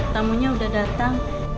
tamunya udah datang